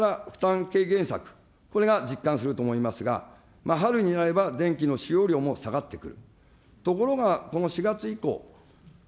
２月の請求分から負担軽減策、これが実感すると思いますが、春になれば電気の使用りょうも下がってくる。